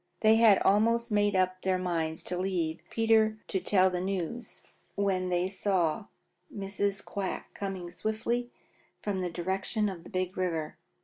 They had almost made up their minds to leave Peter to tell the news when they saw Mrs. Quack coming swiftly from the direction of the Big River.